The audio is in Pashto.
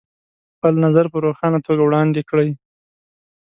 خپل نظر په روښانه توګه وړاندې کړئ.